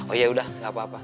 oh ya udah gak apa apa